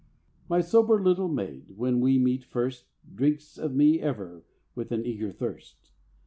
My sober little maid, when we meet first, Drinks of me ever with an eager thirst.